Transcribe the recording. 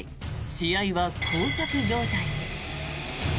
試合はこう着状態に。